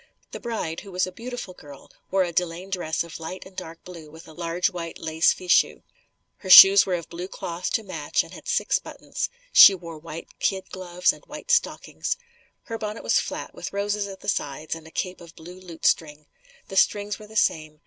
The bride, who was a beautiful girl, wore a delaine dress of light and dark blue with a large white lace fichu. Her shoes were of blue cloth to match and had six buttons. She wore white kid gloves and white stockings. Her bonnet was flat with roses at the sides and a cape of blue lute string. The strings were the same.